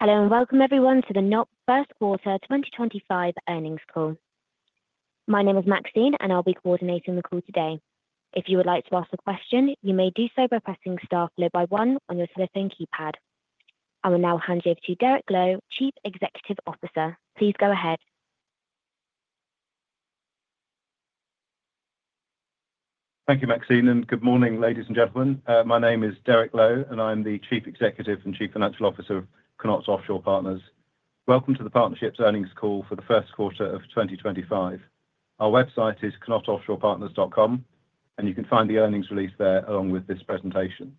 Hello and welcome everyone to the KNOT Offshore Partners LP First Quarter 2025 earnings call. My name is Maxine, and I'll be coordinating the call today. If you would like to ask a question, you may do so by pressing Star followed by one on your telephone keypad. I will now hand you over to Derek Lowe, Chief Executive Officer. Please go ahead. Thank you, Maxine, and good morning, ladies and gentlemen. My name is Derek Lowe, and I'm the Chief Executive and Chief Financial Officer of KNOT Offshore Partners. Welcome to the partnership's earnings call for the first quarter of 2025. Our website is knotoffshorepartners.com, and you can find the earnings release there along with this presentation.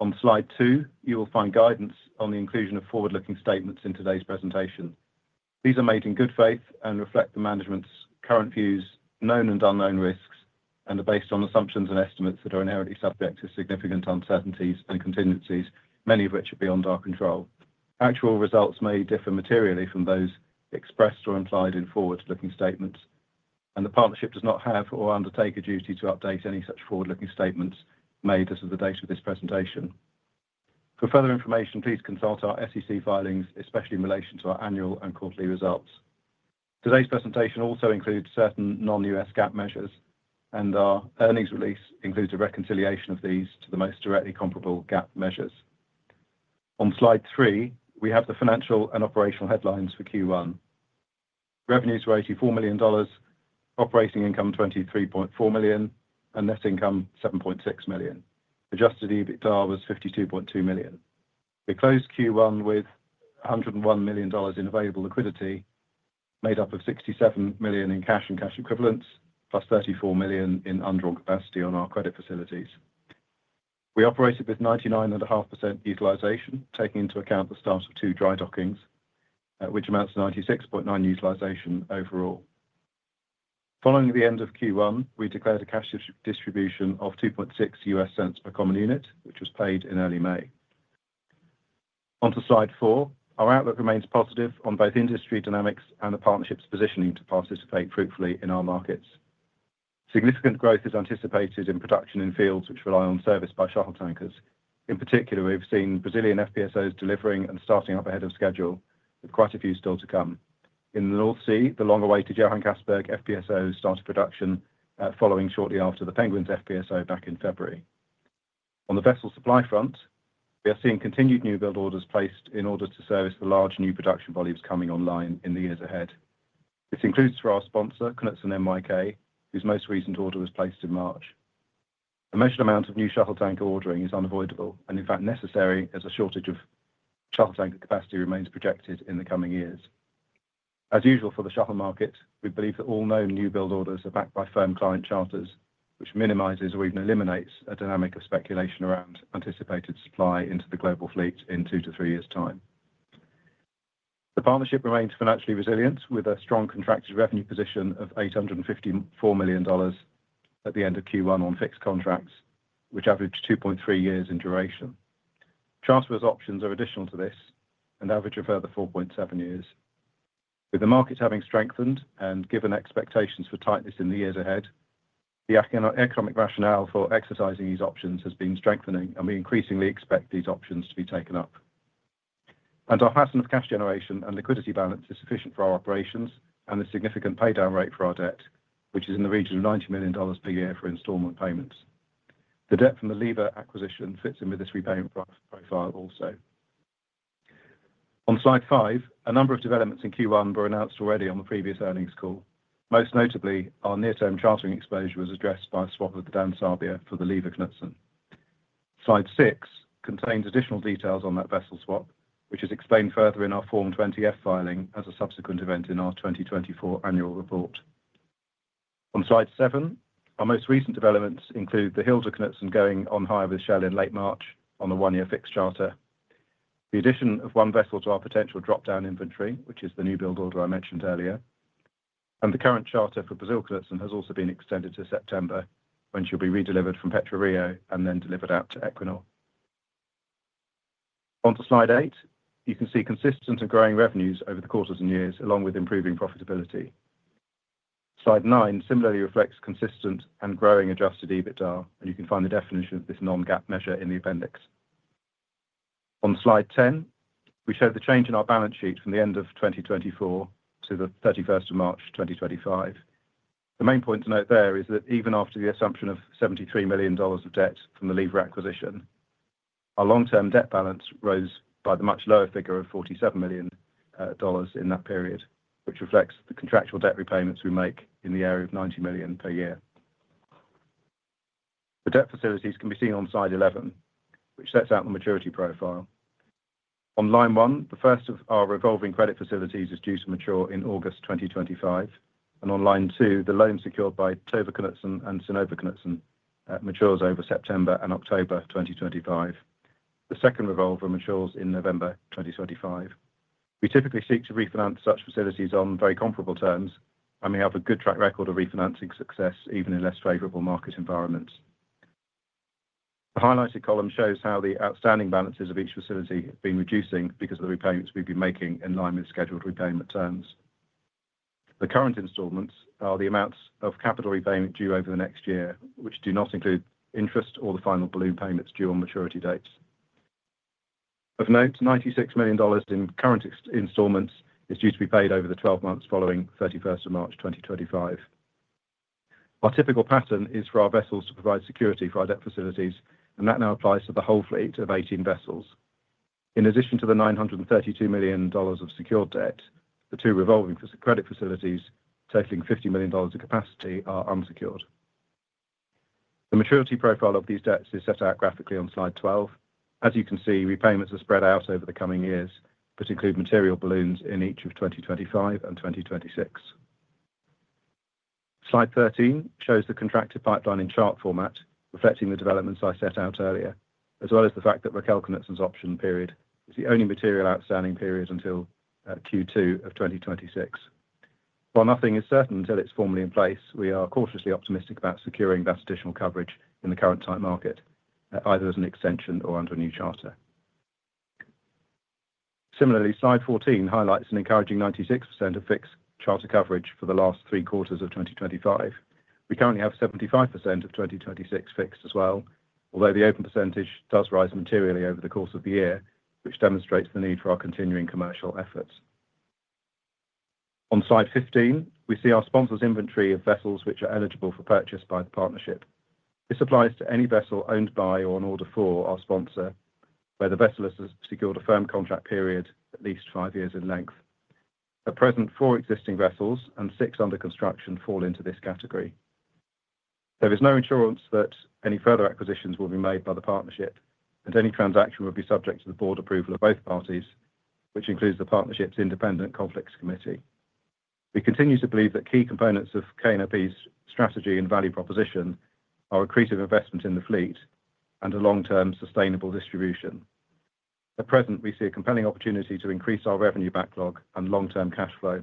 On slide two, you will find guidance on the inclusion of forward-looking statements in today's presentation. These are made in good faith and reflect the management's current views, known and unknown risks, and are based on assumptions and estimates that are inherently subject to significant uncertainties and contingencies, many of which are beyond our control. Actual results may differ materially from those expressed or implied in forward-looking statements, and the partnership does not have or undertake a duty to update any such forward-looking statements made as of the date of this presentation. For further information, please consult our SEC filings, especially in relation to our annual and quarterly results. Today's presentation also includes certain non-U.S. GAAP measures, and our earnings release includes a reconciliation of these to the most directly comparable GAAP measures. On slide three, we have the financial and operational headlines for Q1. Revenues were $84 million, operating income $23.4 million, and net income $7.6 million. Adjusted EBITDA was $52.2 million. We closed Q1 with $101 million in available liquidity, made up of $67 million in cash and cash equivalents, plus $34 million in undrawn capacity on our credit facilities. We operated with 99.5% utilization, taking into account the start of two dry dockings, which amounts to 96.9% utilization overall. Following the end of Q1, we declared a cash distribution of $0.026 per common unit, which was paid in early May. Onto slide four, our outlook remains positive on both industry dynamics and the partnership's positioning to participate fruitfully in our markets. Significant growth is anticipated in production in fields which rely on service by shuttle tankers. In particular, we've seen Brazilian FPSOs delivering and starting up ahead of schedule, with quite a few still to come. In the North Sea, the long-awaited Johan Castberg FPSO started production, following shortly after the Penguins FPSO back in February. On the vessel supply front, we are seeing continued new build orders placed in order to service the large new production volumes coming online in the years ahead. This includes for our sponsor, Knutsen NYK, whose most recent order was placed in March. A measured amount of new shuttle tanker ordering is unavoidable and, in fact, necessary as a shortage of shuttle tanker capacity remains projected in the coming years. As usual for the shuttle market, we believe that all known newbuild orders are backed by firm client charters, which minimizes or even eliminates a dynamic of speculation around anticipated supply into the global fleet in two to three years' time. The partnership remains financially resilient, with a strong contracted revenue position of $854 million at the end of Q1 on fixed contracts, which averaged 2.3 years in duration. Transfer options are additional to this and average a further 4.7 years. With the markets having strengthened and given expectations for tightness in the years ahead, the economic rationale for exercising these options has been strengthening, and we increasingly expect these options to be taken up. Our pattern of cash generation and liquidity balance is sufficient for our operations and the significant paydown rate for our debt, which is in the region of $90 million per year for installment payments. The debt from the Lever acquisition fits in with this repayment profile also. On slide five, a number of developments in Q1 were announced already on the previous earnings call. Most notably, our near-term chartering exposure was addressed by a swap of the Dan Sabia for the Lever Knutsen. Slide six contains additional details on that vessel swap, which is explained further in our Form 20F filing as a subsequent event in our 2024 annual report. On slide seven, our most recent developments include the Hilda Knutsen going on hire with Shell in late March on the one-year fixed charter. The addition of one vessel to our potential dropdown inventory, which is the newbuild order I mentioned earlier, and the current charter for Brazil Knutsen has also been extended to September, when she'll be redelivered from Petra Rio and then delivered out to Equinor. Onto slide eight, you can see consistent and growing revenues over the quarters and years, along with improving profitability. Slide nine similarly reflects consistent and growing Adjusted EBITDA, and you can find the definition of this non-GAAP measure in the appendix. On slide ten, we showed the change in our balance sheet from the end of 2024 to the 31st of March 2025. The main point to note there is that even after the assumption of $73 million of debt from the Lever Knutsen acquisition, our long-term debt balance rose by the much lower figure of $47 million in that period, which reflects the contractual debt repayments we make in the area of $90 million per year. The debt facilities can be seen on slide 11, which sets out the maturity profile. On line one, the first of our revolving credit facilities is due to mature in August 2025, and on line two, the loan secured by Tordis Knutsen and Vigdis Knutsen matures over September and October 2025. The second revolver matures in November 2025. We typically seek to refinance such facilities on very comparable terms, and we have a good track record of refinancing success even in less favorable market environments. The highlighted column shows how the outstanding balances of each facility have been reducing because of the repayments we've been making in line with scheduled repayment terms. The current installments are the amounts of capital repayment due over the next year, which do not include interest or the final balloon payments due on maturity dates. Of note, $96 million in current installments is due to be paid over the 12 months following 31st of March 2025. Our typical pattern is for our vessels to provide security for our debt facilities, and that now applies to the whole fleet of 18 vessels. In addition to the $932 million of secured debt, the two revolving credit facilities, totaling $50 million of capacity, are unsecured. The maturity profile of these debts is set out graphically on slide 12. As you can see, repayments are spread out over the coming years, but include material balloons in each of 2025 and 2026. Slide 13 shows the contracted pipeline in chart format, reflecting the developments I set out earlier, as well as the fact that Raquel Knutsen's option period is the only material outstanding period until Q2 of 2026. While nothing is certain until it's formally in place, we are cautiously optimistic about securing that additional coverage in the current time market, either as an extension or under a new charter. Similarly, slide 14 highlights an encouraging 96% of fixed charter coverage for the last three quarters of 2025. We currently have 75% of 2026 fixed as well, although the open percentage does rise materially over the course of the year, which demonstrates the need for our continuing commercial efforts. On slide 15, we see our sponsor's inventory of vessels which are eligible for purchase by the partnership. This applies to any vessel owned by or in order for our sponsor, where the vessel has secured a firm contract period at least five years in length. At present, four existing vessels and six under construction fall into this category. There is no assurance that any further acquisitions will be made by the partnership, and any transaction will be subject to the board approval of both parties, which includes the partnership's independent conflicts committee. We continue to believe that key components of KNOT's strategy and value proposition are accretive investment in the fleet and a long-term sustainable distribution. At present, we see a compelling opportunity to increase our revenue backlog and long-term cash flow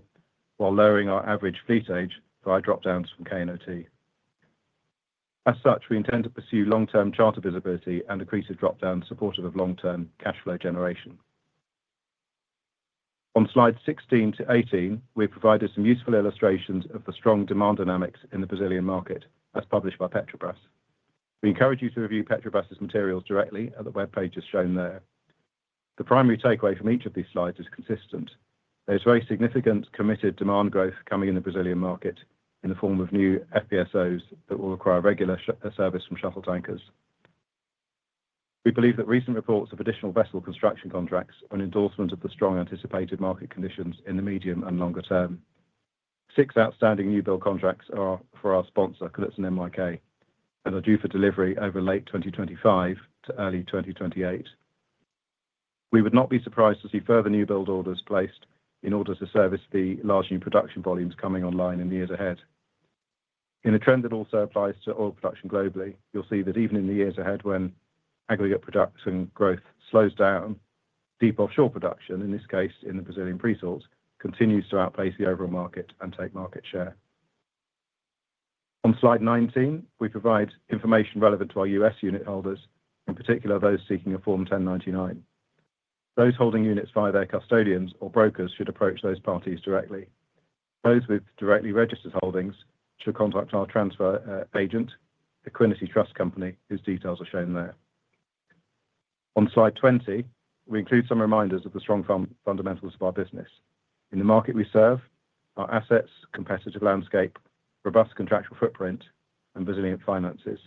while lowering our average fleet age by dropdowns from KNOT. As such, we intend to pursue long-term charter visibility and accretive dropdowns supportive of long-term cash flow generation. On slides 16 to 18, we've provided some useful illustrations of the strong demand dynamics in the Brazilian market, as published by Petrobras. We encourage you to review Petrobras's materials directly at the web pages shown there. The primary takeaway from each of these slides is consistent. There's very significant committed demand growth coming in the Brazilian market in the form of new FPSOs that will require regular service from shuttle tankers. We believe that recent reports of additional vessel construction contracts are an endorsement of the strong anticipated market conditions in the medium and longer term. Six outstanding newbuild contracts are for our sponsor, Knutsen NYK, and are due for delivery over late 2025 to early 2028. We would not be surprised to see further newbuild orders placed in order to service the large new production volumes coming online in the years ahead. In a trend that also applies to oil production globally, you'll see that even in the years ahead, when aggregate production growth slows down, deep offshore production, in this case in the Brazilian presalts, continues to outpace the overall market and take market share. On slide 19, we provide information relevant to our US unit holders, in particular those seeking a Form 1099. Those holding units via their custodians or brokers should approach those parties directly. Those with directly registered holdings should contact our transfer agent, the Quinity Trust Company, whose details are shown there. On slide 20, we include some reminders of the strong fundamentals of our business. In the market we serve, our assets, competitive landscape, robust contractual footprint, and Brazilian finances.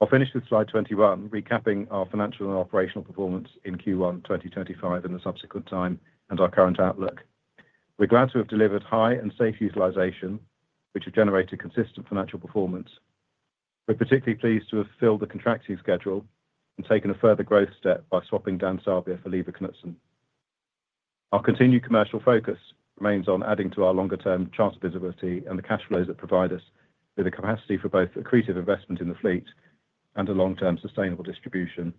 I'll finish with slide 21, recapping our financial and operational performance in Q1 2025 and the subsequent time and our current outlook. We're glad to have delivered high and safe utilization, which have generated consistent financial performance. We're particularly pleased to have filled the contracting schedule and taken a further growth step by swapping Dan Sabia for Lever Knutsen. Our continued commercial focus remains on adding to our longer-term charter visibility and the cash flows that provide us with the capacity for both accretive investment in the fleet and a long-term sustainable distribution.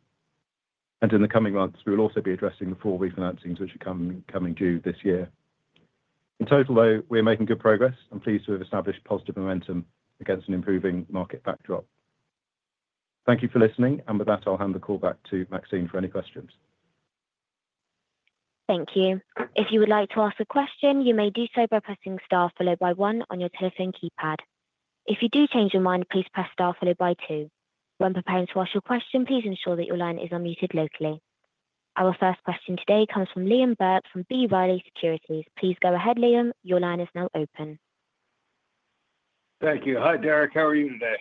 In the coming months, we will also be addressing the four refinancings which are coming due this year. In total, though, we are making good progress and pleased to have established positive momentum against an improving market backdrop. Thank you for listening, and with that, I'll hand the call back to Maxine for any questions. Thank you. If you would like to ask a question, you may do so by pressing star followed by one on your telephone keypad. If you do change your mind, please press star followed by two. When preparing to ask your question, please ensure that your line is unmuted locally. Our first question today comes from Liam Burke from B. Riley Securities. Please go ahead, Liam. Your line is now open. Thank you. Hi, Derek. How are you today?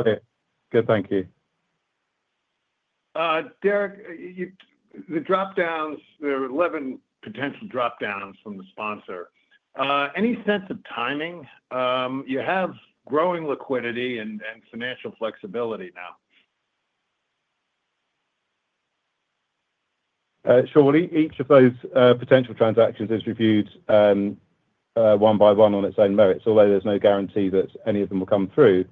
Okay. Good, thank you. Derek, the dropdowns, there were 11 potential dropdowns from the sponsor. Any sense of timing? You have growing liquidity and financial flexibility now. Sure. Each of those potential transactions is reviewed one by one on its own merits. Although there's no guarantee that any of them will come through,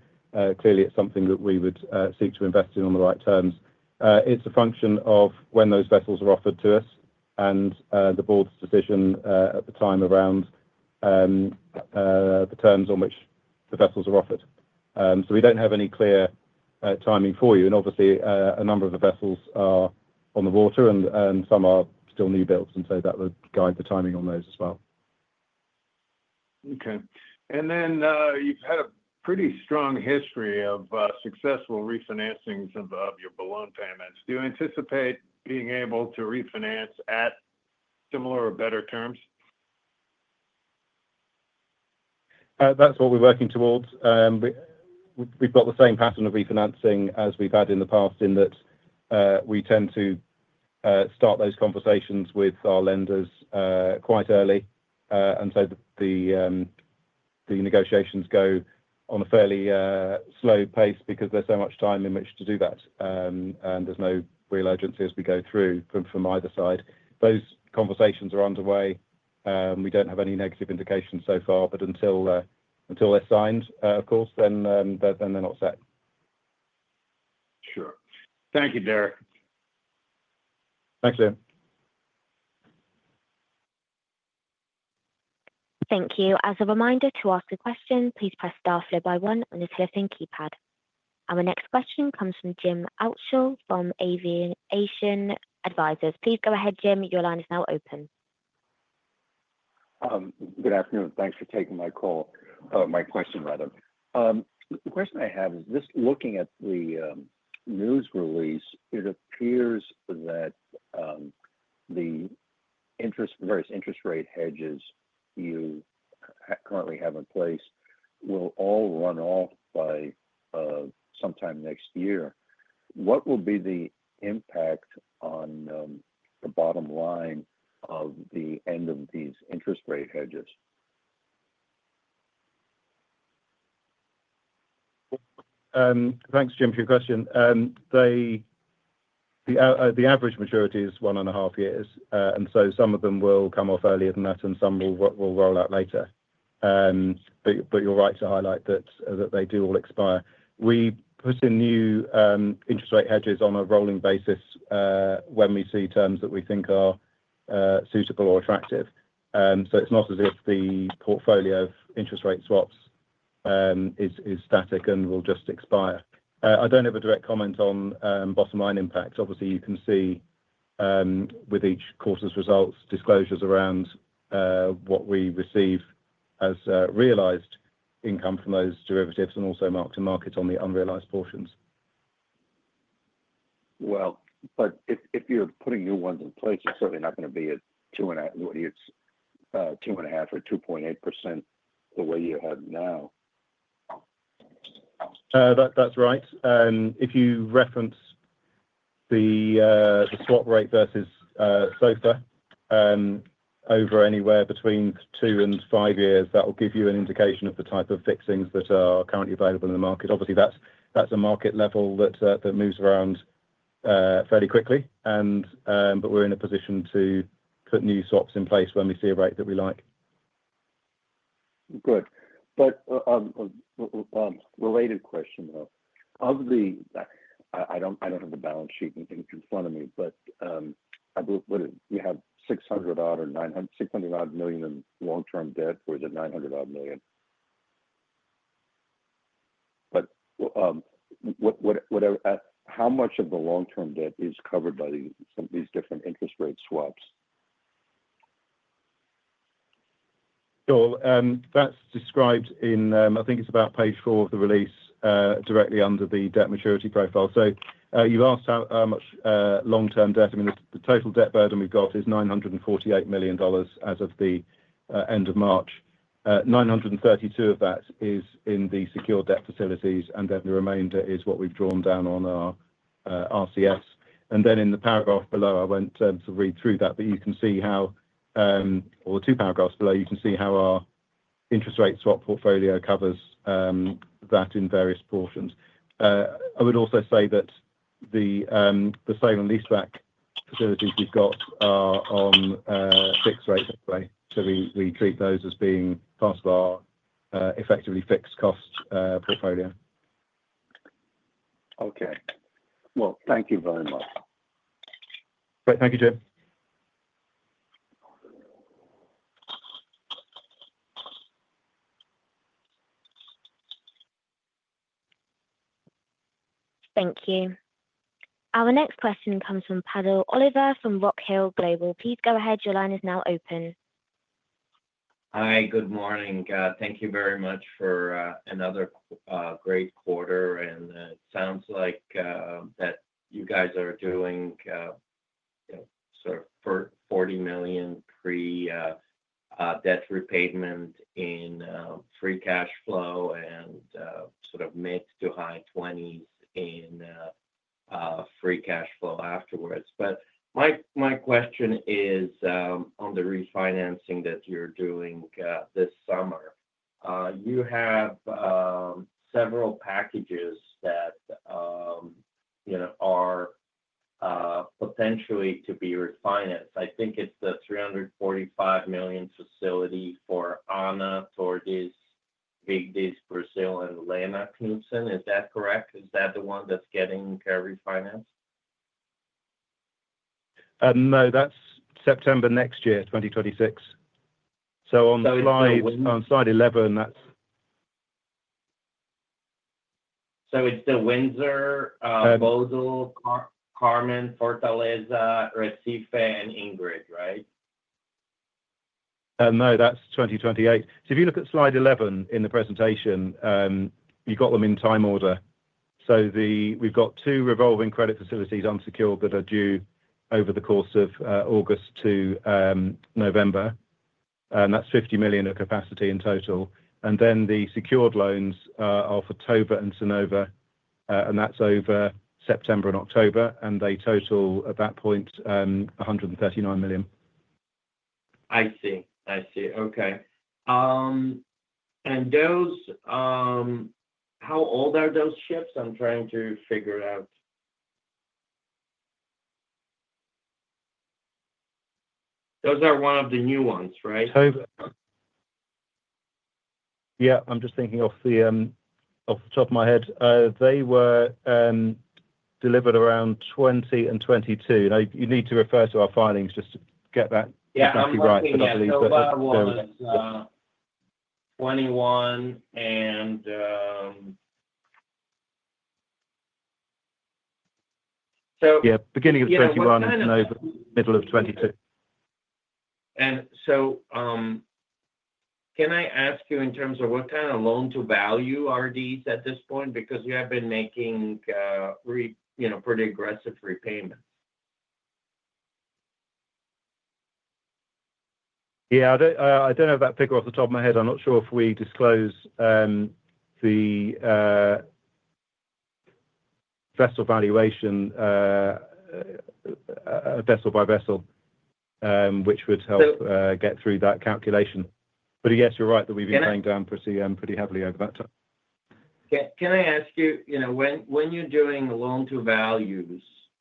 clearly it's something that we would seek to invest in on the right terms. It's a function of when those vessels are offered to us and the board's decision at the time around the terms on which the vessels are offered. We don't have any clear timing for you. Obviously, a number of the vessels are on the water and some are still new builds, and that would guide the timing on those as well. Okay. You've had a pretty strong history of successful refinancings of your balloon payments. Do you anticipate being able to refinance at similar or better terms? That's what we're working towards. We've got the same pattern of refinancing as we've had in the past, in that we tend to start those conversations with our lenders quite early, and so the negotiations go on a fairly slow pace because there's so much time in which to do that, and there's no real urgency as we go through from either side. Those conversations are underway. We don't have any negative indications so far, but until they're signed, of course, then they're not set. Sure. Thank you, Derek. Thanks, Liam. Thank you. As a reminder to ask a question, please press Star followed by one on your telephone keypad. Our next question comes from Jim Altschul from Aviation Advisors. Please go ahead, Jim. Your line is now open. Good afternoon. Thanks for taking my call, my question, rather. The question I have is, just looking at the news release, it appears that the various interest rate hedges you currently have in place will all run off by sometime next year. What will be the impact on the bottom line of the end of these interest rate hedges? Thanks, Jim, for your question. The average maturity is one and a half years, and some of them will come off earlier than that, and some will roll out later. You're right to highlight that they do all expire. We put in new interest rate hedges on a rolling basis when we see terms that we think are suitable or attractive. It's not as if the portfolio of interest rate swaps is static and will just expire. I don't have a direct comment on bottom line impact. Obviously, you can see with each quarter's results, disclosures around what we receive as realized income from those derivatives and also mark to market on the unrealized portions. If you're putting new ones in place, it's certainly not going to be at 2.5% or 2.8% the way you have now. That's right. If you reference the swap rate versus SOFR over anywhere between two and five years, that will give you an indication of the type of fixings that are currently available in the market. Obviously, that's a market level that moves around fairly quickly, but we're in a position to put new swaps in place when we see a rate that we like. Good. Related question, though. I don't have the balance sheet in front of me, but I believe we have $600 million in long-term debt versus $900 million. How much of the long-term debt is covered by these different interest rate swaps? Sure. That is described in, I think it is about page four of the release, directly under the debt maturity profile. You have asked how much long-term debt. I mean, the total debt burden we have is $948 million as of the end of March. $932 million of that is in the secured debt facilities, and then the remainder is what we have drawn down on our RCS. In the paragraph below, I will not read through that, but you can see how, or the two paragraphs below, you can see how our interest rate swap portfolio covers that in various portions. I would also say that the sale and lease back facilities we have are on fixed rates anyway, so we treat those as being part of our effectively fixed cost portfolio. Okay. Thank you very much. Great. Thank you, Jim. Thank you. Our next question comes from Pavel Oliva from Rockhill Global. Please go ahead. Your line is now open. Hi. Good morning. Thank you very much for another great quarter. It sounds like that you guys are doing sort of $40 million pre-debt repayment in free cash flow and sort of mid to high $20 million in free cash flow afterwards. My question is, on the refinancing that you are doing this summer, you have several packages that are potentially to be refinanced. I think it is the $345 million facility for Ana, Tordis, Vigdis, Brazil, and Lena Knutsen. Is that correct? Is that the one that is getting refinanced? No, that is September next year, 2026. On slide 11, that is— It is the Windsor, Bodil, Carmen, Fortaleza, Recife, and Ingrid, right? No, that is 2028. If you look at slide 11 in the presentation, you've got them in time order. We've got two revolving credit facilities unsecured that are due over the course of August to November, and that's $50 million of capacity in total. The secured loans are for Toba and Sonova, and that's over September and October, and they total at that point $139 million. I see. I see. Okay. How old are those ships? I'm trying to figure out. Those are one of the new ones, right? Yeah. I'm just thinking off the top of my head. They were delivered around 2020 and 2022. You need to refer to our filings just to get that exactly right, but I believe that there was— That was 2021 and— Yeah, beginning of 2021 and over middle of 2022. Can I ask you in terms of what kind of loan-to-value RDs at this point? Because you have been making pretty aggressive repayments. Yeah. I do not have that figure off the top of my head. I am not sure if we disclose the vessel valuation vessel by vessel, which would help get through that calculation. Yes, you are right that we have been paying down pretty heavily over that time. Can I ask you, when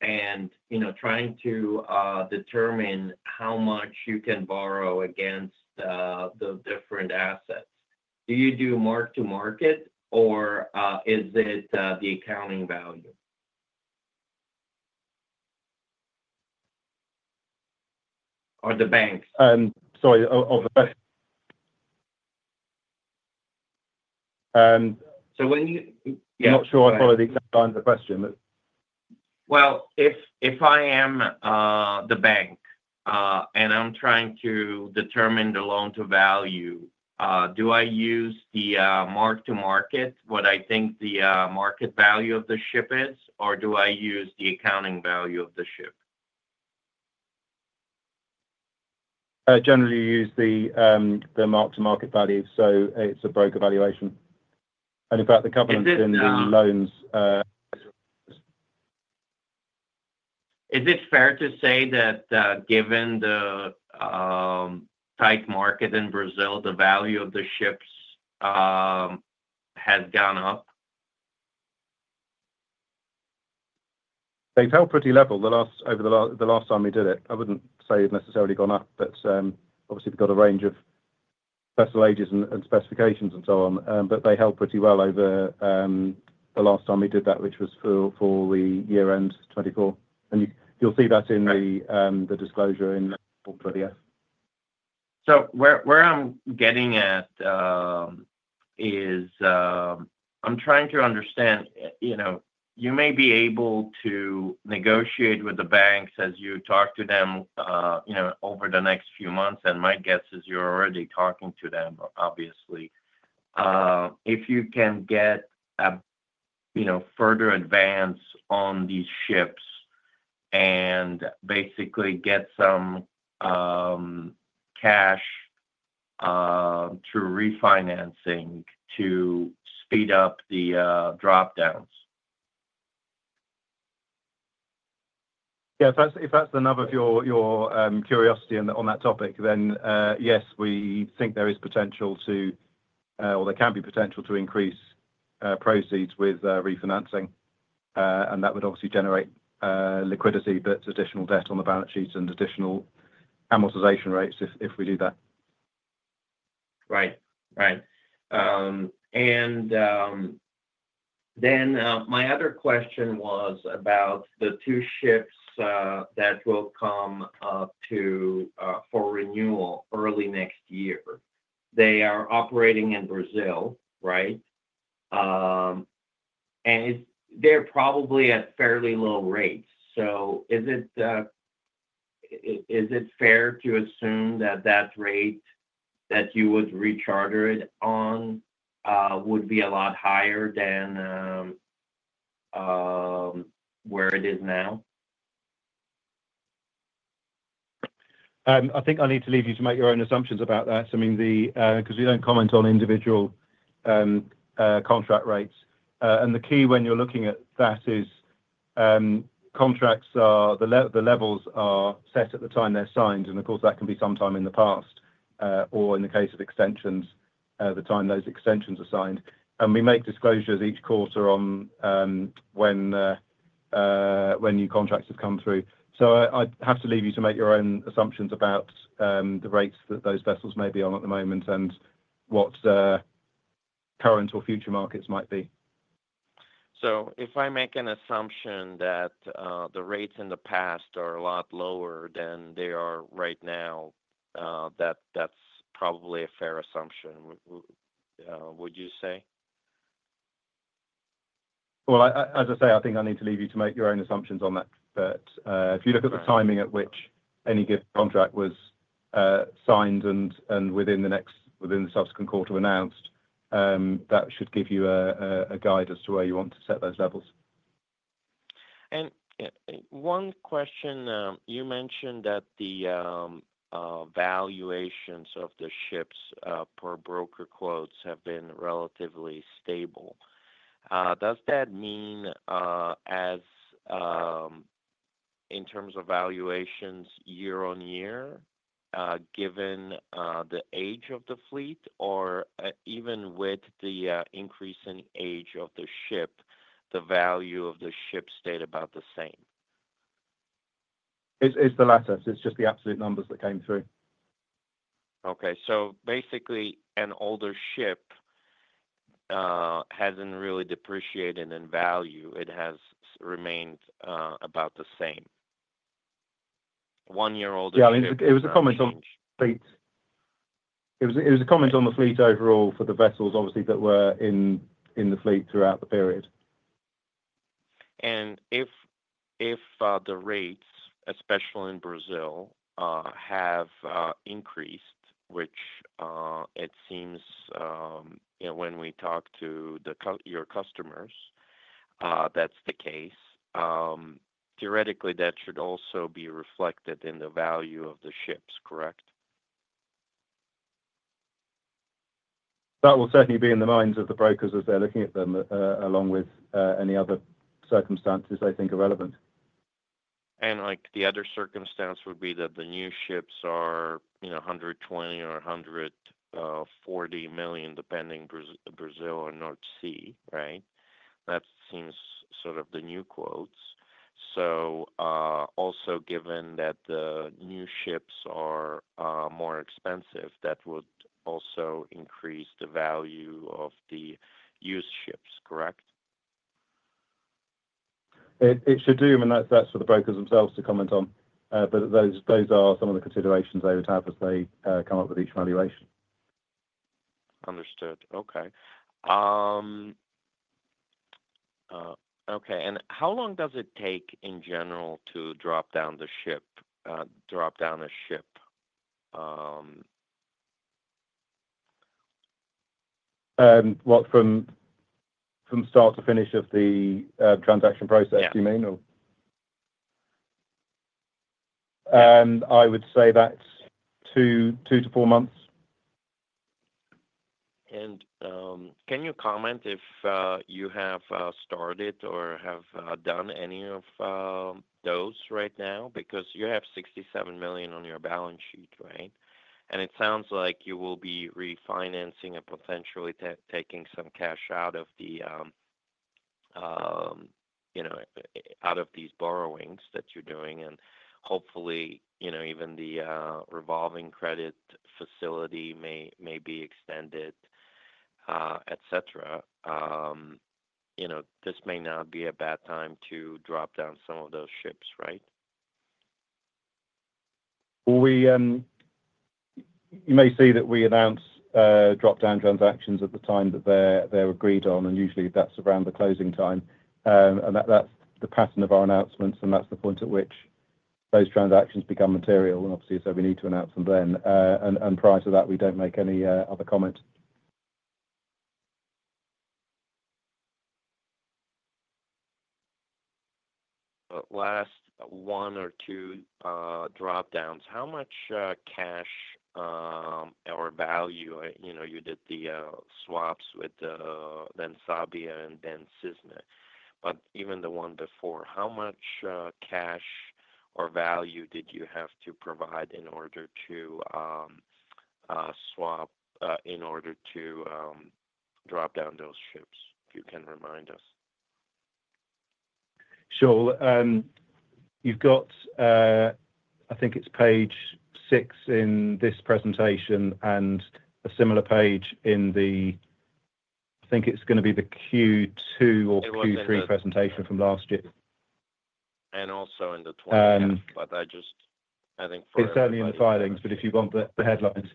you are doing loan-to-values and trying to determine how much you can borrow against the different assets, do you do mark to market, or is it the accounting value? Or the bank? Sorry. When you— I am not sure I followed the exact line of the question, but. If I am the bank and I'm trying to determine the loan-to-value, do I use the mark to market, what I think the market value of the ship is, or do I use the accounting value of the ship? I generally use the mark to market value, so it's a broker valuation. In fact, the covenants in the loans. Is it fair to say that given the tight market in Brazil, the value of the ships has gone up? They've held pretty level over the last time we did it. I wouldn't say it's necessarily gone up, but obviously, we've got a range of vessel ages and specifications and so on. They held pretty well over the last time we did that, which was for the year-end 2024. You'll see that in the disclosure in portfolio. Where I'm getting at is I'm trying to understand you may be able to negotiate with the banks as you talk to them over the next few months, and my guess is you're already talking to them, obviously. If you can get a further advance on these ships and basically get some cash through refinancing to speed up the dropdowns. Yeah. If that's the nub of your curiosity on that topic, then yes, we think there is potential to, or there can be potential to increase proceeds with refinancing. That would obviously generate liquidity, but additional debt on the balance sheet and additional amortization rates if we do that. Right. Right. My other question was about the two ships that will come up for renewal early next year. They are operating in Brazil, right? They're probably at fairly low rates. Is it fair to assume that that rate that you would recharter it on would be a lot higher than where it is now? I think I need to leave you to make your own assumptions about that. I mean, because we do not comment on individual contract rates. The key when you are looking at that is contracts are, the levels are set at the time they are signed. Of course, that can be sometime in the past, or in the case of extensions, the time those extensions are signed. We make disclosures each quarter on when new contracts have come through. I would have to leave you to make your own assumptions about the rates that those vessels may be on at the moment and what current or future markets might be. If I make an assumption that the rates in the past are a lot lower than they are right now, that's probably a fair assumption, would you say? As I say, I think I need to leave you to make your own assumptions on that. If you look at the timing at which any given contract was signed and within the subsequent quarter announced, that should give you a guide as to where you want to set those levels. One question. You mentioned that the valuations of the ships per broker quotes have been relatively stable. Does that mean in terms of valuations year on year, given the age of the fleet, or even with the increase in age of the ship, the value of the ship stayed about the same? It's the latter. It's just the absolute numbers that came through. Okay. Basically, an older ship hasn't really depreciated in value. It has remained about the same. One-year-older ships. Yeah. It was a comment on the fleet. It was a comment on the fleet overall for the vessels, obviously, that were in the fleet throughout the period. If the rates, especially in Brazil, have increased, which it seems when we talk to your customers, that's the case, theoretically, that should also be reflected in the value of the ships, correct? That will certainly be in the minds of the brokers as they're looking at them along with any other circumstances they think are relevant. The other circumstance would be that the new ships are $120 million or $140 million, depending Brazil and North Sea, right? That seems sort of the new quotes. Also, given that the new ships are more expensive, that would also increase the value of the used ships, correct? It should do. I mean, that's for the brokers themselves to comment on. Those are some of the considerations they would have as they come up with each valuation. Understood. Okay. Okay. How long does it take in general to drop down the ship? Drop down a ship? What, from start to finish of the transaction process, you mean, or? Yeah. I would say that's two to four months. Can you comment if you have started or have done any of those right now? Because you have $67 million on your balance sheet, right? It sounds like you will be refinancing and potentially taking some cash out of these borrowings that you're doing. Hopefully, even the revolving credit facility may be extended, etc. This may not be a bad time to drop down some of those ships, right? You may see that we announce dropdown transactions at the time that they're agreed on, and usually, that's around the closing time. That's the pattern of our announcements, and that's the point at which those transactions become material. Obviously, we need to announce them then. Prior to that, we don't make any other comment. Last one or two dropdowns, how much cash or value? You did the swaps with Dan Sabia and then Sismo. Even the one before, how much cash or value did you have to provide in order to swap, in order to drop down those ships? If you can remind us. You have got, I think it is page six in this presentation and a similar page in the, I think it is going to be the Q2 or Q3 presentation from last year. Also in the 2020, but I think for, it is only in the filings, but if you want the headlines.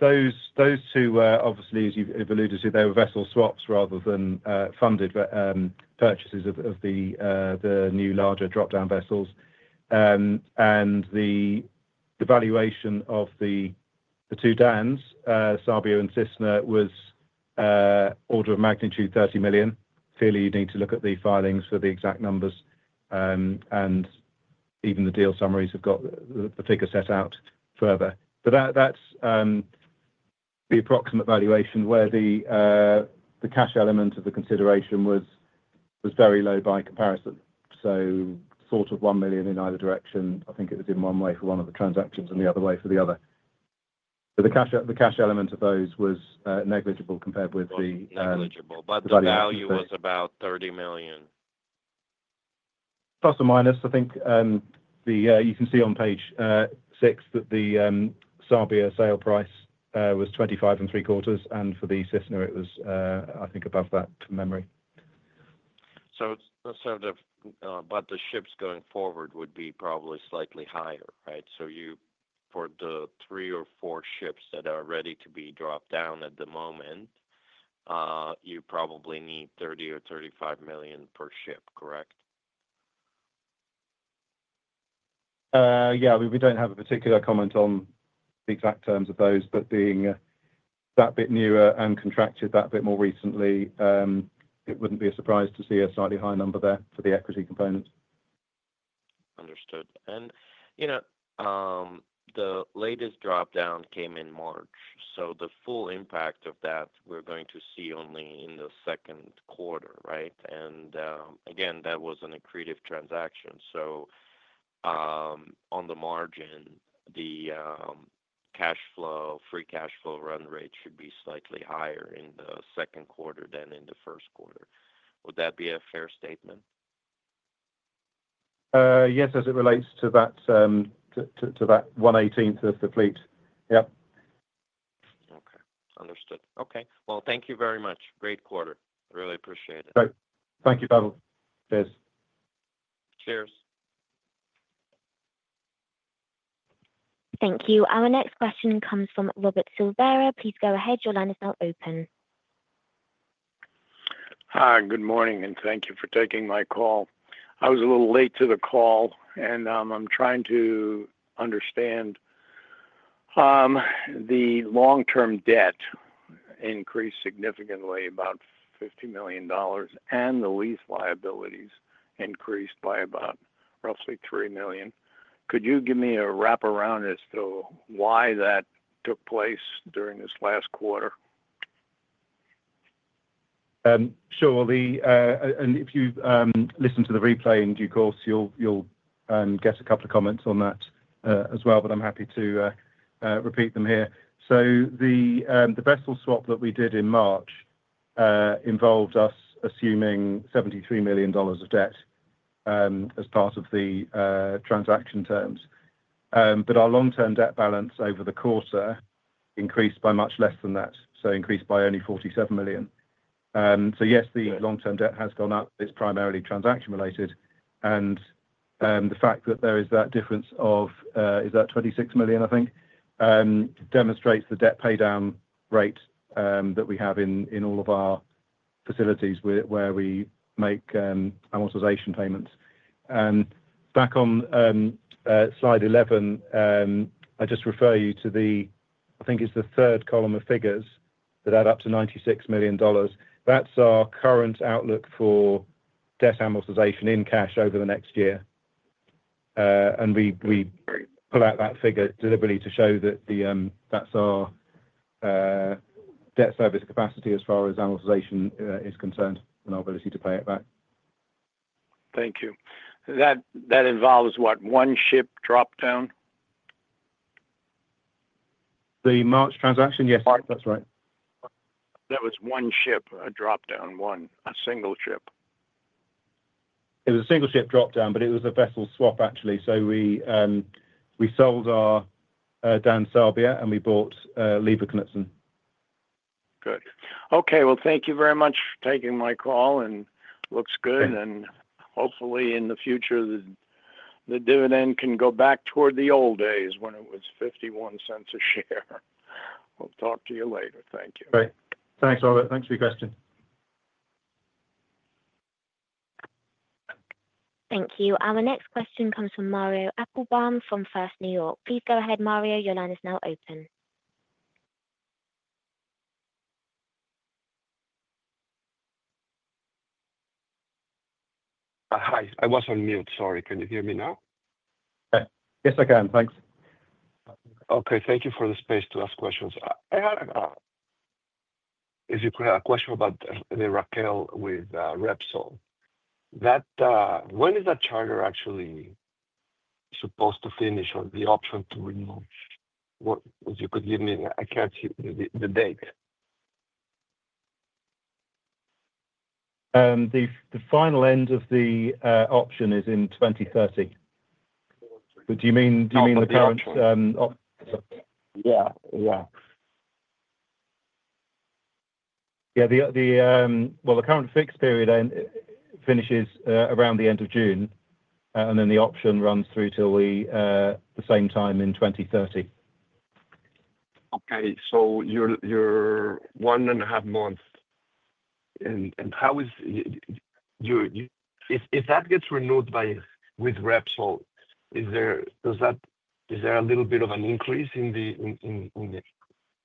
Those two, obviously, as you have alluded to, they were vessel swaps rather than funded purchases of the new larger dropdown vessels. The valuation of the two DANs, Dan Sabia and Sismo, was order of magnitude $30 million. Clearly, you need to look at the filings for the exact numbers. Even the deal summaries have got the figure set out further. That is the approximate valuation where the cash element of the consideration was very low by comparison, so sort of $1 million in either direction. I think it was in one way for one of the transactions and the other way for the other. The cash element of those was negligible compared with the value. Negligible, but the value was about $30 million, plus or minus. I think you can see on page six that the Dan Sabia sale price was $25.75 million, and for the Sismo, it was, I think, above that to memory. Sort of, but the ships going forward would be probably slightly higher, right? For the three or four ships that are ready to be dropped down at the moment, you probably need $30 million-$35 million per ship, correct? Yeah. We do not have a particular comment on the exact terms of those. But being that bit newer and contracted that bit more recently, it wouldn't be a surprise to see a slightly higher number there for the equity component. Understood. The latest dropdown came in March. The full impact of that, we're going to see only in the second quarter, right? That was an accretive transaction. On the margin, the cash flow, free cash flow run rate should be slightly higher in the second quarter than in the first quarter. Would that be a fair statement? Yes, as it relates to that 1/18 of the fleet. Yep. Understood. Thank you very much. Great quarter. I really appreciate it. Great. Thank you. Bye-bye. Cheers. Cheers. Thank you. Our next question comes from Robert Silvera. Please go ahead. Your line is now open. Hi. Good morning, and thank you for taking my call. I was a little late to the call, and I'm trying to understand the long-term debt increased significantly, about $50 million, and the lease liabilities increased by about roughly $3 million. Could you give me a wrap-around as to why that took place during this last quarter? Sure. If you listen to the replay in due course, you'll get a couple of comments on that as well, but I'm happy to repeat them here. The vessel swap that we did in March involved us assuming $73 million of debt as part of the transaction terms. Our long-term debt balance over the quarter increased by much less than that, so increased by only $47 million. Yes, the long-term debt has gone up. It's primarily transaction-related. The fact that there is that difference of, is that $26 million, I think, demonstrates the debt paydown rate that we have in all of our facilities where we make amortization payments. Back on slide 11, I just refer you to the, I think it is the third column of figures that add up to $96 million. That is our current outlook for debt amortization in cash over the next year. We pull out that figure deliberately to show that that is our debt service capacity as far as amortization is concerned and our ability to pay it back. Thank you. That involves what? One ship dropdown? The March transaction? Yes. That is right. That was one ship dropdown, one single ship. It was a single ship dropdown, but it was a vessel swap, actually. We sold our Dan Sabia, and we bought Lever Knutsen. Good. Okay. Thank you very much for taking my call, and it looks good. Hopefully, in the future, the dividend can go back toward the old days when it was $0.51 a share. We'll talk to you later. Thank you. Great. Thanks, Robert. Thanks for your question. Thank you. Our next question comes from Mario Epelbaum from First New York. Please go ahead, Mario. Your line is now open. Hi. I was on mute. Sorry. Can you hear me now? Yes, I can. Thanks. Okay. Thank you for the space to ask questions. I had a question about the Raquel with Repsol. When is that charter actually supposed to finish or the option to remove? If you could give me, I can't see the date. The final end of the option is in 2030. Do you mean the current? Yeah. Yeah. Yeah. The current fixed period finishes around the end of June, and then the option runs through till the same time in 2030. Okay. So you are one and a half months. And how is if that gets renewed with Repsol, is there a little bit of an increase in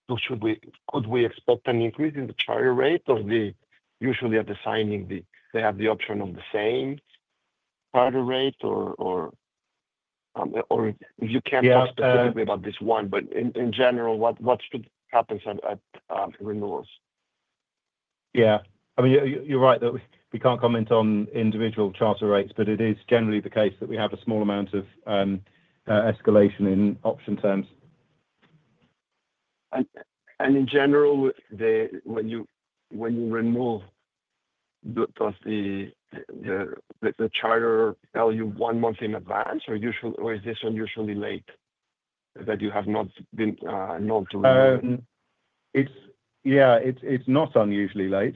the—could we expect an increase in the charter rate? Or usually, at the signing, they have the option of the same charter rate, or if you cannot talk specifically about this one, but in general, what happens at renewals? Yeah. I mean, you are right that we cannot comment on individual charter rates, but it is generally the case that we have a small amount of escalation in option terms. And in general, when you renew, does the charter tell you one month in advance, or is this unusually late that you have not been known to renew? Yeah. It's not unusually late,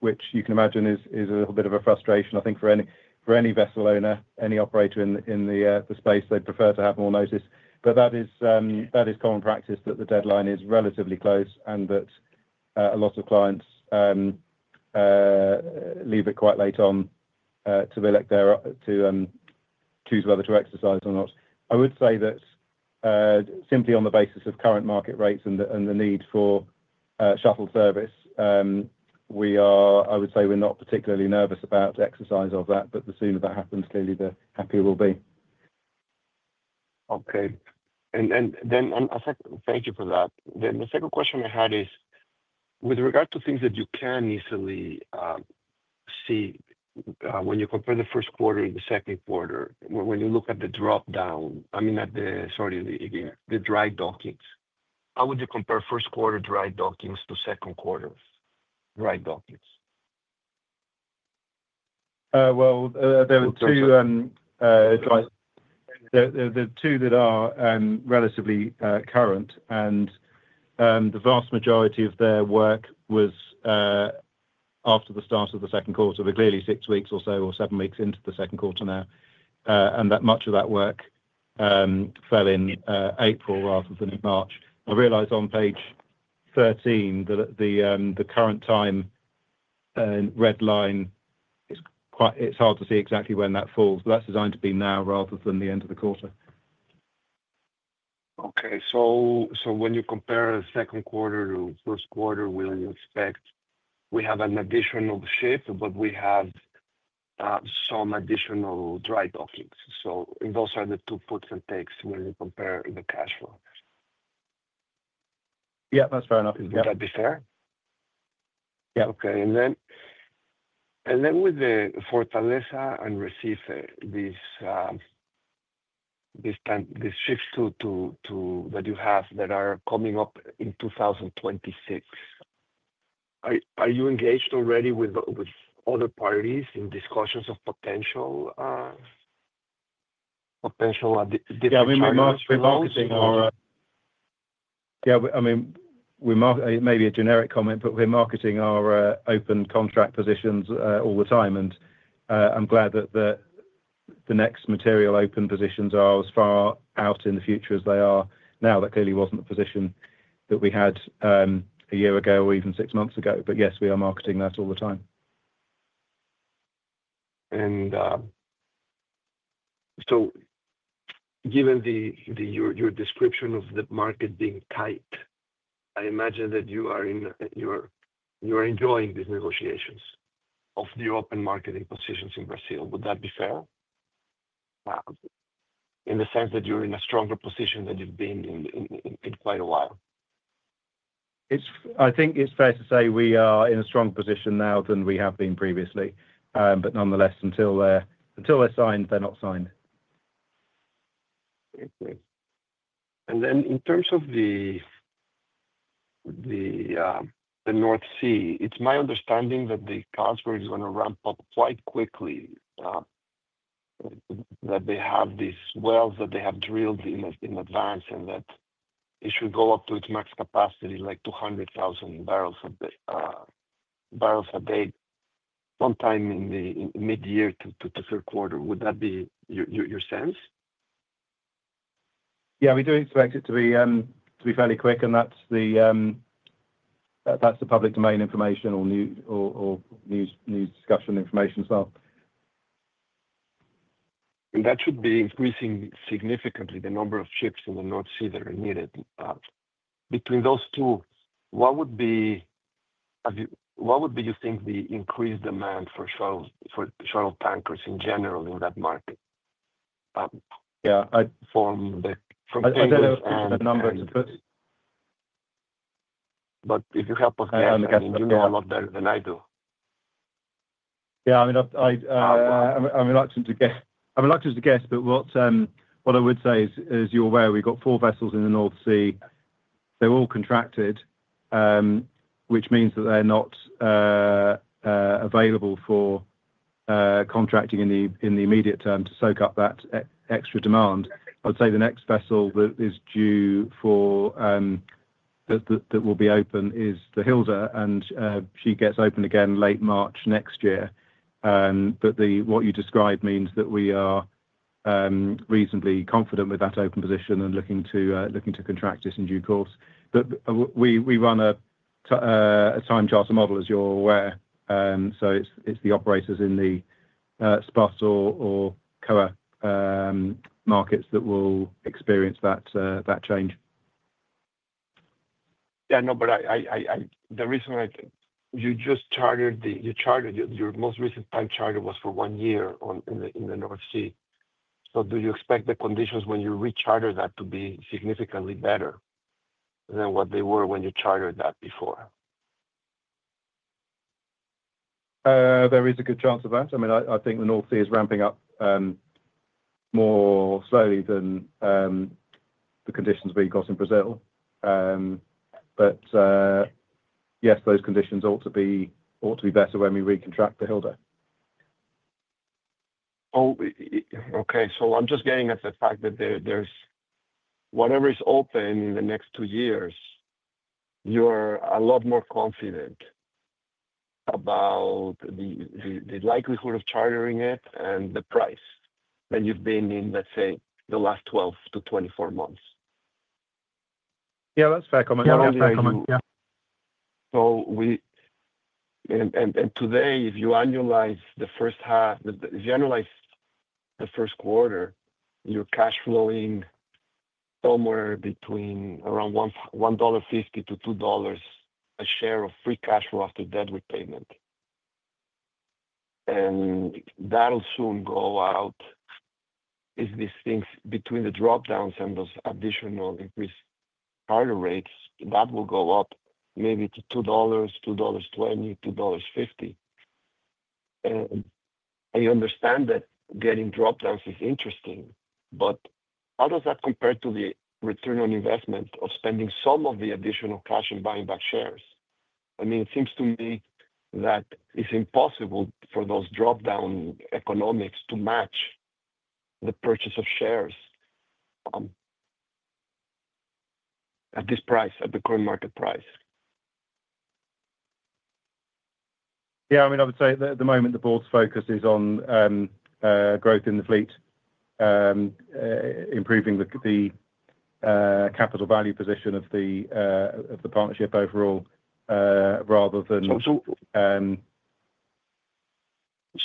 which you can imagine is a little bit of a frustration, I think, for any vessel owner, any operator in the space. They'd prefer to have more notice. That is common practice that the deadline is relatively close and that a lot of clients leave it quite late on to choose whether to exercise or not. I would say that simply on the basis of current market rates and the need for shuttle service, I would say we're not particularly nervous about exercise of that. The sooner that happens, clearly, the happier we'll be. Okay. Thank you for that. The second question I had is, with regard to things that you can easily see when you compare the first quarter and the second quarter, when you look at the dropdown, I mean, sorry, the dry dockings, how would you compare first quarter dry dockings to second quarter dry dockings? There were two dry. The two that are relatively current, and the vast majority of their work was after the start of the second quarter, but clearly six weeks or so or seven weeks into the second quarter now. That much of that work fell in April rather than in March. I realize on page 13 that the current time red line, it is hard to see exactly when that falls. That is designed to be now rather than the end of the quarter. Okay. When you compare the second quarter to first quarter, will you expect we have an additional ship, but we have some additional dry dockings? Those are the two puts and takes when you compare the cash flow. Yeah. That's fair enough. Would that be fair? Yeah. Okay. With the Fortaleza and Recife, these ships that you have that are coming up in 2026, are you engaged already with other parties in discussions of potential different ships? Yeah. I mean, we're marketing our—yeah. I mean, it may be a generic comment, but we're marketing our open contract positions all the time. I'm glad that the next material open positions are as far out in the future as they are now. That clearly was not the position that we had a year ago or even six months ago. Yes, we are marketing that all the time. Given your description of the market being tight, I imagine that you are enjoying these negotiations of the open marketing positions in Brazil. Would that be fair in the sense that you're in a stronger position than you've been in quite a while? I think it's fair to say we are in a stronger position now than we have been previously. Nonetheless, until they're signed, they're not signed. Okay. In terms of the North Sea, it's my understanding that the cargo is going to ramp up quite quickly, that they have these wells that they have drilled in advance, and that it should go up to its max capacity, like 200,000 barrels a day sometime in the mid-year to third quarter. Would that be your sense? Yeah. We do expect it to be fairly quick, and that is the public domain information or news discussion information as well. That should be increasing significantly, the number of ships in the North Sea that are needed. Between those two, what would be—you think, the increased demand for shuttle tankers in general in that market? Yeah. From the numbers to put. If you help us guess, I mean, you know a lot better than I do. Yeah. I mean, I'm reluctant to guess. I'm reluctant to guess, but what I would say is, as you're aware, we've got four vessels in the North Sea. They're all contracted, which means that they're not available for contracting in the immediate term to soak up that extra demand. I'd say the next vessel that is due for that will be open is the Hilda, and she gets open again late March next year. What you described means that we are reasonably confident with that open position and looking to contract this in due course. We run a time charter model, as you're aware. It is the operators in the spot or COA markets that will experience that change. Yeah. No, the reason I—you just chartered your most recent time charter was for one year in the North Sea. Do you expect the conditions when you re-charter that to be significantly better than what they were when you chartered that before? There is a good chance of that. I mean, I think the North Sea is ramping up more slowly than the conditions we got in Brazil. Yes, those conditions ought to be better when we recontract the Hilda. Okay. I am just getting at the fact that whatever is open in the next two years, you are a lot more confident about the likelihood of chartering it and the price than you have been in, let's say, the last 12-24 months. Yeah. That is fair comment. That is fair comment. Yeah. Today, if you annualize the first half, if you annualize the first quarter, you are cash flowing somewhere between around $1.50-$2 a share of free cash flow after debt repayment. That will soon go out. As these things between the dropdowns and those additional increased charter rates, that will go up maybe to $2, $2.20, $2.50. I understand that getting dropdowns is interesting, but how does that compare to the return on investment of spending some of the additional cash and buying back shares? I mean, it seems to me that it's impossible for those dropdown economics to match the purchase of shares at this price, at the current market price. Yeah. I mean, I would say at the moment, the board's focus is on growth in the fleet, improving the capital value position of the partnership overall rather than—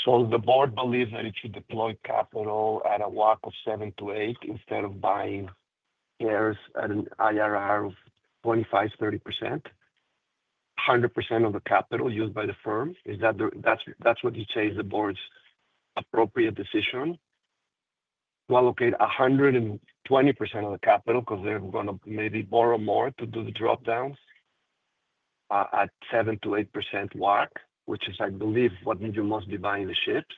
The board believes that it should deploy capital at a WAC of 7-8% instead of buying shares at an IRR of 25-30%, 100% of the capital used by the firm. Is that what you say is the board's appropriate decision? Okay, 120% of the capital because they're going to maybe borrow more to do the dropdowns at 7-8% WAC, which is, I believe, what you must be buying the ships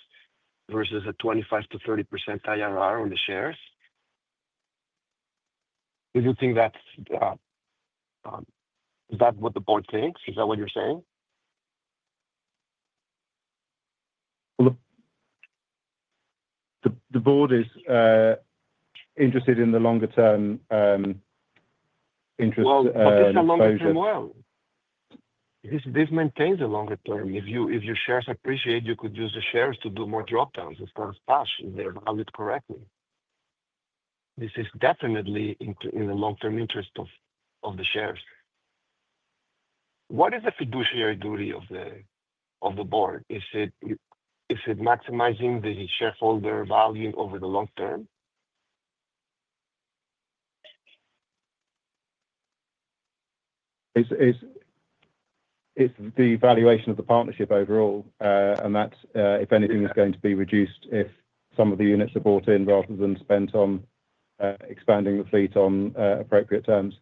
versus a 25-30% IRR on the shares. Do you think that's what the board thinks? Is that what you're saying? The board is interested in the longer-term interest exposure. This maintains the longer term. If your shares appreciate, you could use the shares to do more dropdowns instead of cash if they're valued correctly. This is definitely in the long-term interest of the shares. What is the fiduciary duty of the board? Is it maximizing the shareholder value over the long term? It's the valuation of the partnership overall, and that, if anything, is going to be reduced if some of the units are bought in rather than spent on expanding the fleet on appropriate terms.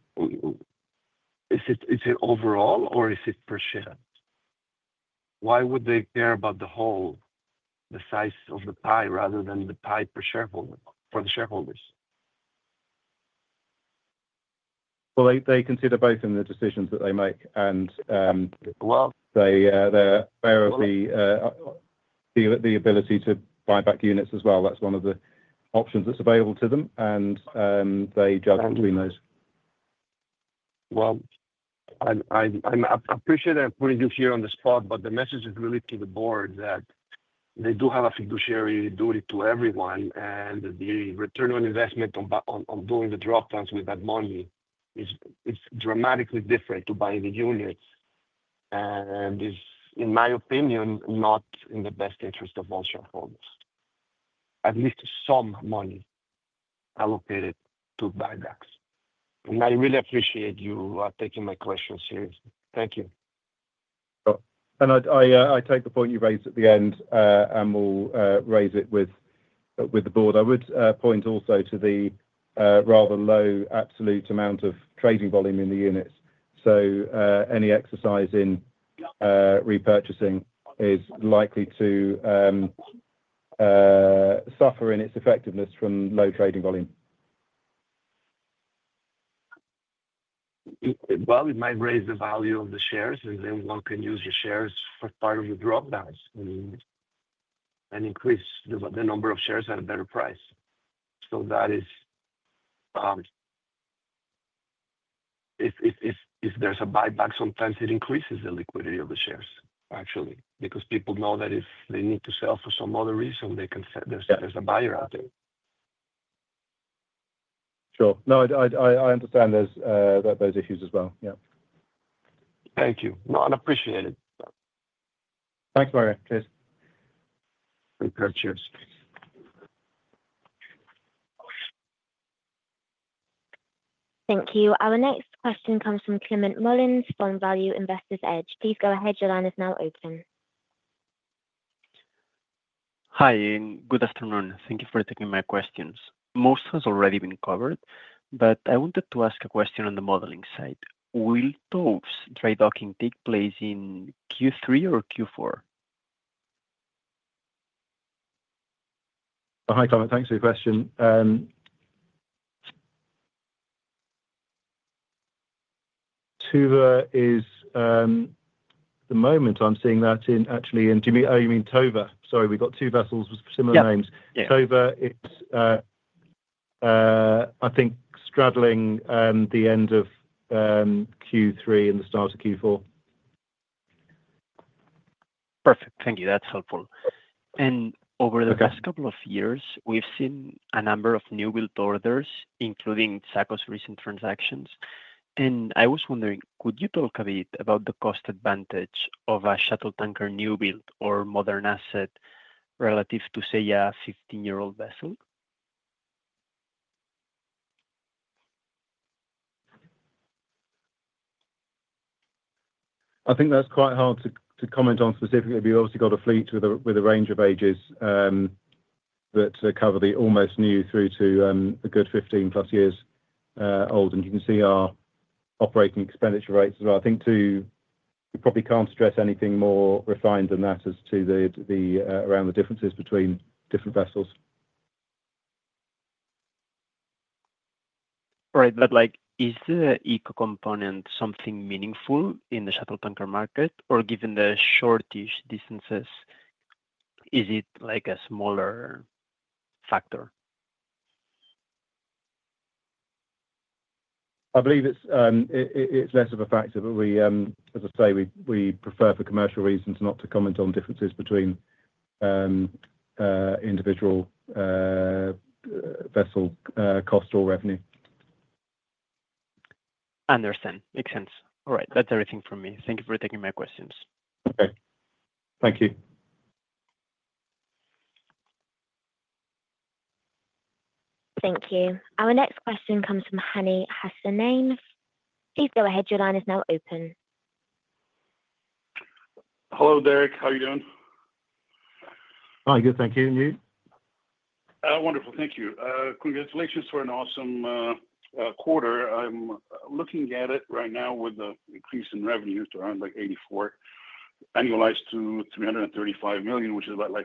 Is it overall, or is it per share? Why would they care about the whole, the size of the pie rather than the pie for the shareholders? They consider both in the decisions that they make, and they're aware of the ability to buy back units as well. That's one of the options that's available to them, and they juggle between those. I appreciate that I'm putting you here on the spot, but the message is really to the board that they do have a fiduciary duty to everyone, and the return on investment on doing the dropdowns with that money is dramatically different to buying the units. It's, in my opinion, not in the best interest of all shareholders, at least some money allocated to buybacks. I really appreciate you taking my questions seriously. Thank you. I take the point you raised at the end and will raise it with the board. I would point also to the rather low absolute amount of trading volume in the units. Any exercise in repurchasing is likely to suffer in its effectiveness from low trading volume. It might raise the value of the shares, and then one can use your shares for part of your dropdowns and increase the number of shares at a better price. If there's a buyback, sometimes it increases the liquidity of the shares, actually, because people know that if they need to sell for some other reason, there's a buyer out there. Sure. No, I understand those issues as well. Yeah. Thank you. No, I appreciate it. Thanks, Bryan. Cheers. Repurchase. Thank you. Our next question comes from Climent Molins from Value Investor's Edge. Please go ahead. Your line is now open. Hi. Good afternoon. Thank you for taking my questions. Most has already been covered, but I wanted to ask a question on the modeling side. Will those dry docking take place in Q3 or Q4? Hi, Climent. Thanks for your question. Tordis is, at the moment, I'm seeing that actually in—are you mean Tordis? Sorry. We've got two vessels with similar names. Tordis is, I think, straddling the end of Q3 and the start of Q4. Perfect. Thank you. That's helpful. And over the past couple of years, we've seen a number of new-build orders, including Knutsen NYK Offshore Tankers' recent transactions. I was wondering, could you talk a bit about the cost advantage of a shuttle tanker new-build or modern asset relative to, say, a 15-year-old vessel? I think that's quite hard to comment on specifically. We've obviously got a fleet with a range of ages that cover the almost new through to a good 15-plus years old. You can see our operating expenditure rates as well. I think we probably can't address anything more refined than that as to around the differences between different vessels. All right. Is the eco component something meaningful in the shuttle tanker market? Or given the shorter distances, is it a smaller factor? I believe it's less of a factor, but as I say, we prefer, for commercial reasons, not to comment on differences between individual vessel cost or revenue. Understand. Makes sense. All right. That's everything from me. Thank you for taking my questions. Okay. Thank you. Thank you. Our next question comes from Hani Hassanein. Please go ahead. Your line is now open. Hello, Derek. How are you doing? Hi. Good. Thank you. And you? Wonderful. Thank you. Congratulations for an awesome quarter. I'm looking at it right now with an increase in revenues to around $84 million, annualized to $335 million, which is about $50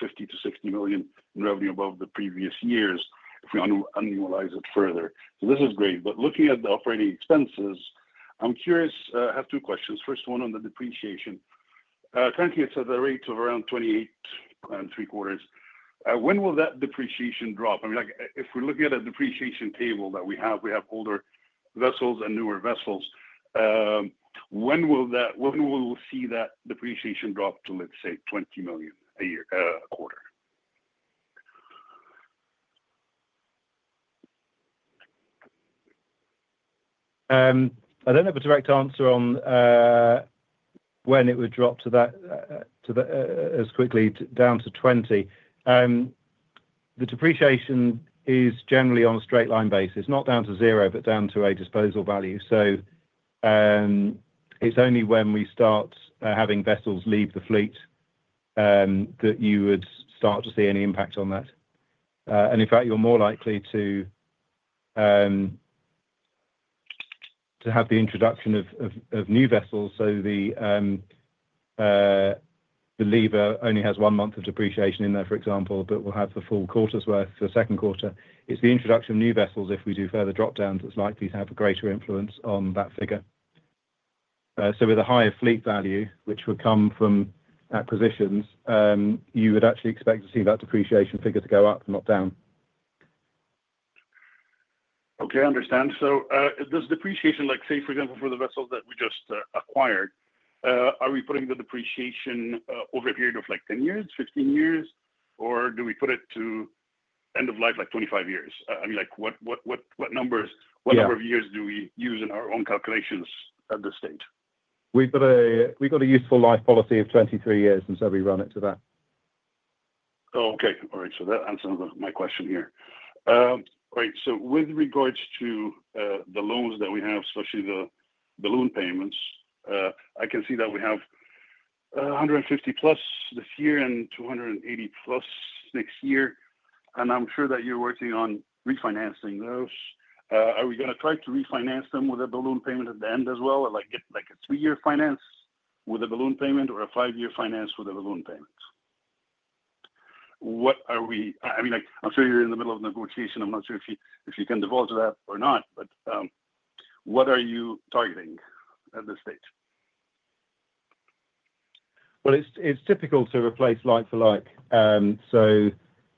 million-$60 million in revenue above the previous years if we annualize it further. This is great. Looking at the operating expenses, I have two questions. First, one on the depreciation. Currently, it's at a rate of around $28.75 million. When will that depreciation drop? I mean, if we're looking at a depreciation table that we have—we have older vessels and newer vessels—when will we see that depreciation drop to, let's say, $20 million a quarter? I do not have a direct answer on when it would drop to that as quickly down to 20. The depreciation is generally on a straight-line basis, not down to zero, but down to a disposal value. It is only when we start having vessels leave the fleet that you would start to see any impact on that. In fact, you are more likely to have the introduction of new vessels. The Lever Knutsen only has one month of depreciation in there, for example, but we will have the full quarter's worth for the second quarter. It is the introduction of new vessels, if we do further dropdowns, that is likely to have a greater influence on that figure. With a higher fleet value, which would come from acquisitions, you would actually expect to see that depreciation figure go up, not down. Okay. I understand. Does depreciation, say, for example, for the vessels that we just acquired, are we putting the depreciation over a period of 10 years, 15 years, or do we put it to end of life like 25 years? I mean, what number of years do we use in our own calculations at this stage? We have a useful life policy of 23 years, and so we run it to that. Oh, okay. All right. That answers my question here. All right. With regards to the loans that we have, especially the balloon payments, I can see that we have $150 million-plus this year and $280 million-plus next year. I am sure that you are working on refinancing those. Are we going to try to refinance them with a balloon payment at the end as well, like a three-year finance with a balloon payment or a five-year finance with a balloon payment? I mean, I'm sure you're in the middle of negotiation. I'm not sure if you can default to that or not, but what are you targeting at this stage? It is typical to replace like for like.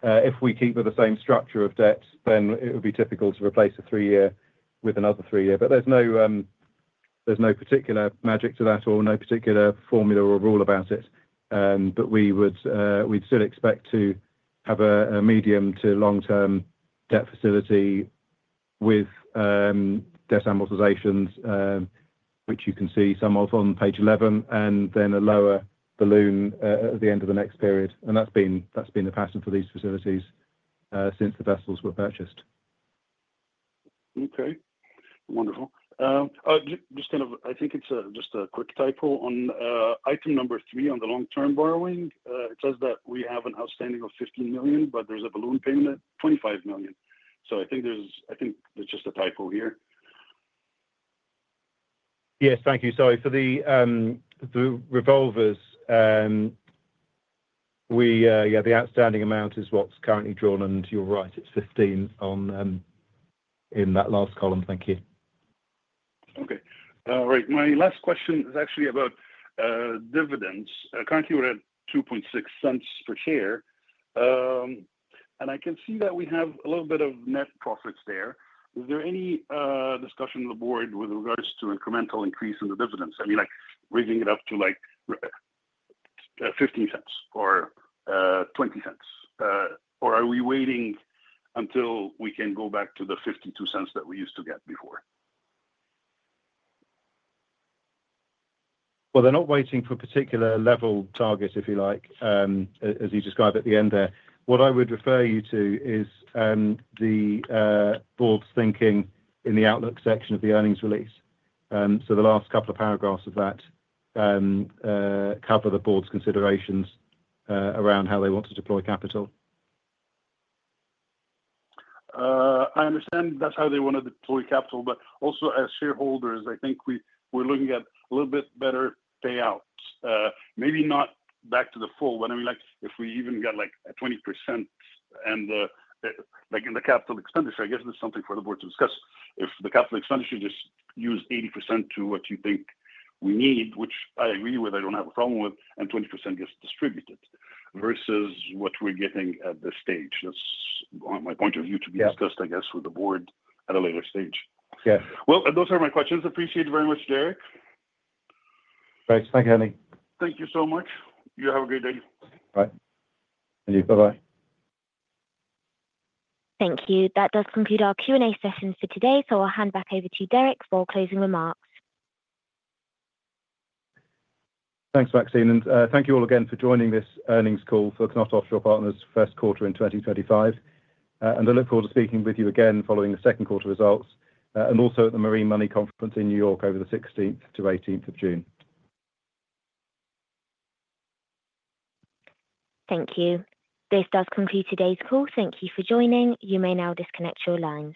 If we keep with the same structure of debt, then it would be typical to replace a three-year with another three-year. There is no particular magic to that or no particular formula or rule about it. We would still expect to have a medium to long-term debt facility with debt amortizations, which you can see some of on page 11, and then a lower balloon at the end of the next period. That has been the pattern for these facilities since the vessels were purchased. Okay. Wonderful. Just kind of, I think it's just a quick typo on item number three on the long-term borrowing. It says that we have an outstanding of $15 million, but there is a balloon payment at $25 million. I think there is just a typo here. Yes. Thank you. Sorry. For the revolvers, yeah, the outstanding amount is what is currently drawn. You are right. It is $15 million in that last column. Thank you. Okay. All right. My last question is actually about dividends. Currently, we are at $0.026 per share. I can see that we have a little bit of net profits there. Is there any discussion on the board with regards to incremental increase in the dividends? I mean, raising it up to $0.15 or $0.20? Are we waiting until we can go back to the $0.52 that we used to get before? They are not waiting for particular level targets, if you like, as you describe at the end there. What I would refer you to is the board's thinking in the outlook section of the earnings release. The last couple of paragraphs of that cover the board's considerations around how they want to deploy capital. I understand that's how they want to deploy capital. Also, as shareholders, I think we're looking at a little bit better payouts, maybe not back to the full. I mean, if we even got like 20% in the capital expenditure, I guess there's something for the board to discuss. If the capital expenditure just uses 80% to what you think we need, which I agree with, I don't have a problem with, and 20% gets distributed versus what we're getting at this stage. That's my point of view to be discussed, I guess, with the board at a later stage. Yeah. Those are my questions. Appreciate it very much, Derek. Thanks. Thanks, Hani. Thank you so much. You have a great day. Bye. And you. Bye-bye. Thank you. That does conclude our Q&A session for today. I'll hand back over to Derek for closing remarks. Thanks, Maxine. Thank you all again for joining this earnings call for KNOT Offshore Partners' first quarter in 2025. I look forward to speaking with you again following the second quarter results and also at the Marine Money Conference in New York over the 16th to 18th of June. Thank you. This does conclude today's call. Thank you for joining. You may now disconnect your line.